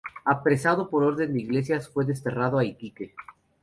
Apresado por orden de Iglesias, fue desterrado a Iquique.